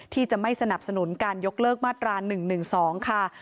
ที่จะไม่สนับสนุนการยกเลิกมาตรา๑๑๒ค่ะ